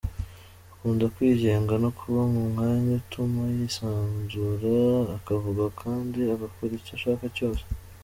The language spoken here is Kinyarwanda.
Akunda kwigenga no kuba mu mwanya utuma yizansura akavuga kandi agakora icyo ashaka cyose.